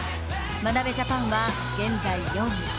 眞鍋ジャパンは、現在４位。